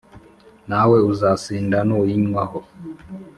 Nawe uzasinda nuyinywa ho